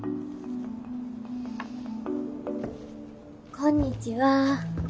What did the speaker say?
こんにちは。